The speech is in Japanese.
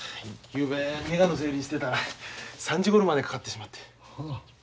ゆうべネガの整理してたら３時ごろまでかかってしまって。